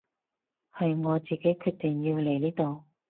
係我自己決定要嚟呢度